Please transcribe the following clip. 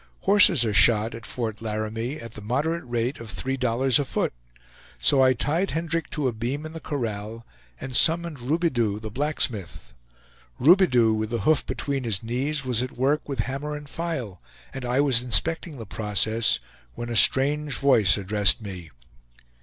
Horses are shod at Fort Laramie at the moderate rate of three dollars a foot; so I tied Hendrick to a beam in the corral, and summoned Roubidou, the blacksmith. Roubidou, with the hoof between his knees, was at work with hammer and file, and I was inspecting the process, when a strange voice addressed me.